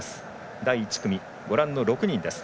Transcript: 第１組、ご覧の６人です。